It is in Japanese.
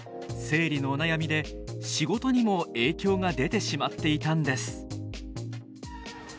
生理のお悩みで仕事にも影響が出てしまっていたんです。